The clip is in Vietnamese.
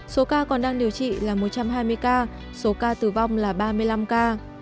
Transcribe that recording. số ca còn đang điều trị là một trăm hai mươi ca số ca tử vong là ba mươi năm ca